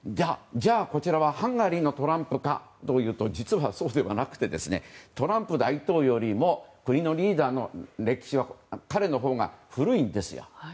じゃあこちらはハンガリーのトランプかというと実は、そうではなくてトランプ大統領よりも国のリーダーの歴史は彼のほうが古いんですよ。